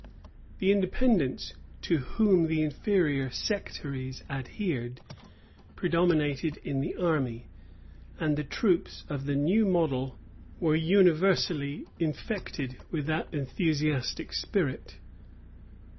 The Independents, to whom the inferior sectaries adhered, predominated in the army; and the troops of the new model were universally infected with that enthusiastic spirit.